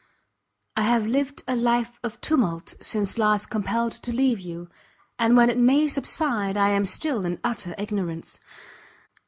I have lived a life of tumult since last compelled to leave you, and when it may subside, I am still in utter ignorance.